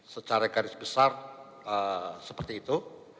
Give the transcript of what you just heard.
secara garis besar seperti itu